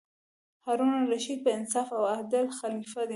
هارون الرشید با انصافه او عادل خلیفه دی.